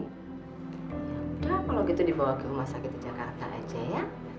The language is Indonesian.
nah kalau gitu dibawa ke rumah sakit jakarta aja ya